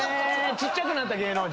ちっちゃくなった芸能人。